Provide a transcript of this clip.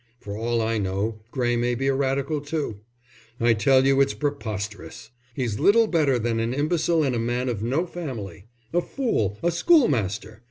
For all I know Gray may be a Radical too. I tell you it's preposterous. He's little better than an imbecile and a man of no family. A fool, a school master!